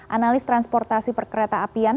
analis transportasi perkereta apian